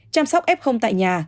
chăm sóc f tại nhà